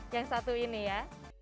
yang satu ini ya